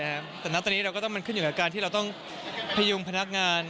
แต่ณตอนนี้เราก็ต้องมันขึ้นอยู่กับการที่เราต้องพยุงพนักงาน